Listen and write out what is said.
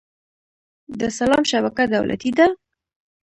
د سلام شبکه دولتي ده؟